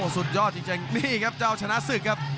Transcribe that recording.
สุดยอดจริงนี่ครับเจ้าชนะศึกครับ